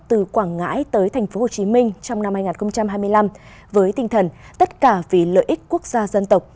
từ quảng ngãi tới tp hcm trong năm hai nghìn hai mươi năm với tinh thần tất cả vì lợi ích quốc gia dân tộc